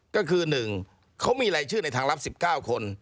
ก็คือ๑เขามีรายชื่อในทางลับ๑๙คน